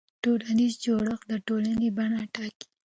ټولنیز جوړښت د ټولنې بڼه ټاکي.